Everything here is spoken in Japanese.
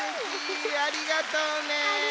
ありがとう。